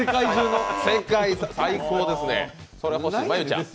最高ですね。